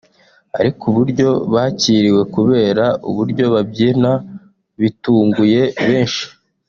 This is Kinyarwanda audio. ariko uburyo bakiriwe kubera uburyo babyina bitunguye benshi